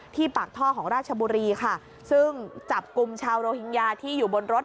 ปากท่อของราชบุรีค่ะซึ่งจับกลุ่มชาวโรฮิงญาที่อยู่บนรถ